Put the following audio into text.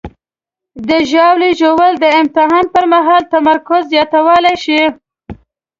د ژاولې ژوول د امتحان پر مهال تمرکز زیاتولی شي.